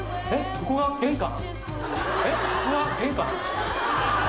ここが玄関？